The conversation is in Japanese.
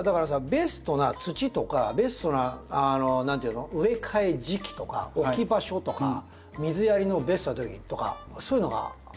ベストな土とかベストな何ていうの植え替え時期とか置き場所とか水やりのベストなときとかそういうのが植物によって違うってことでしょ？